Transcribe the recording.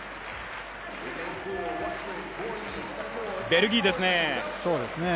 ベルギーですね。